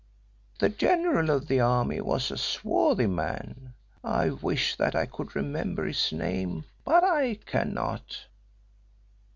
The general of the army was a swarthy man I wish that I could remember his name, but I cannot.